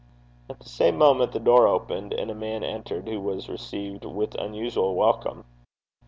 At the same moment the door opened, and a man entered, who was received with unusual welcome.